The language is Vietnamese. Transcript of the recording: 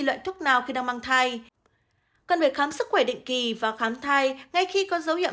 loại thuốc nào khi đang mang thai cần phải khám sức khỏe định kỳ và khám thai ngay khi có dấu hiệu